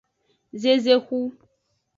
Zezexu.